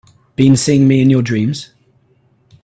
Been seeing me in your dreams?